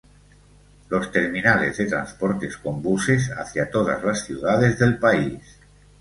Los terminales de transportes con buses hacia todas las ciudades del país.